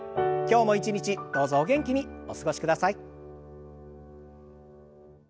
今日も一日どうぞお元気にお過ごしください。